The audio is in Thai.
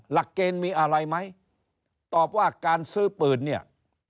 หลักเกณฑ์มีอะไรไหมตอบว่าการซื้อปืนเนี่ย